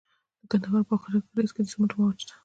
د کندهار په خاکریز کې د سمنټو مواد شته.